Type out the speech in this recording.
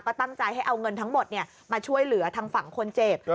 ก็ตั้งใจให้เอาเงินทั้งหมดมาช่วยเหลือทางฝั่งคนเจ็บ